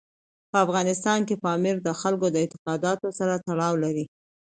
په افغانستان کې پامیر د خلکو د اعتقاداتو سره تړاو لري.